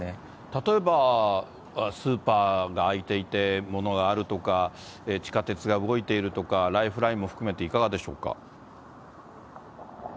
例えばスーパーが開いていて、物があるとか、地下鉄が動いているとか、ライフラインも含めていかがでしょうか。